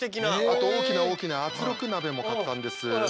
あと大きな大きな圧力鍋も買ったんです。